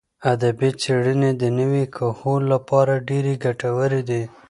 ادبي څېړنې د نوي کهول لپاره ډېرې ګټورې دي.